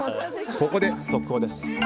ここで速報です。